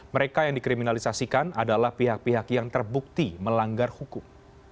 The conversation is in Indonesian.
mereka yang dikriminalisasikan adalah pihak pihak yang terbukti melanggar hukum